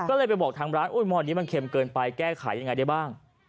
ก็เลยไปบอกทางร้านหอนนี้มันเข็มเกินไปแก้ไขยังไงได้บ้าง